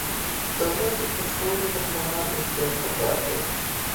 د غوښې پخولو پر مهال احتیاط پکار دی.